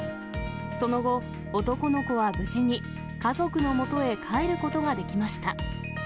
その後、男の子は無事に家族のもとへ帰ることができました。